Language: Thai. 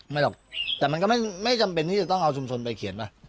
หรอกแต่มันก็ไม่จำเป็นที่จะต้องเอาชุมชนไปเขียนป่ะ